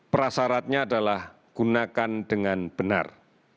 prasaratnya adalah gunakan dengan benar